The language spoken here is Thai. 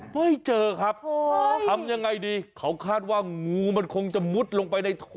ไม่เจอครับทำยังไงดีเขาคาดว่างูมันคงจะมุดลงไปในท่อ